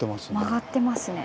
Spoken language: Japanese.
曲がってますね。